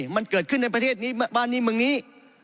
มันเกิดขึ้นในประเทศนี้บ้านนี้เมืองนี้